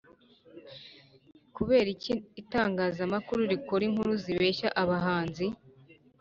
Kubera iki itangaza amakuru rikora inkuru zibeshyera abahanzi